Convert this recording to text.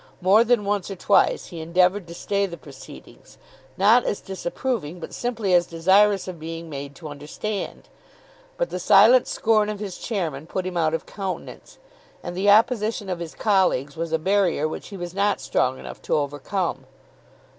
More than once or twice he endeavoured to stay the proceedings, not as disapproving, but "simply as desirous of being made to understand;" but the silent scorn of his chairman put him out of countenance, and the opposition of his colleagues was a barrier which he was not strong enough to overcome.